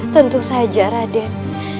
tentu saja raden